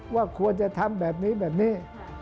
ว่าควรจะทำแบบนี้แบบนี้